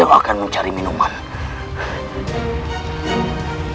ya sudah kalau begitu mas